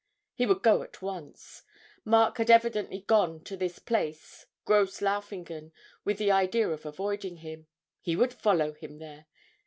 He would go at once. Mark had evidently gone to this place, Gross Laufingen, with the idea of avoiding him he would follow him there!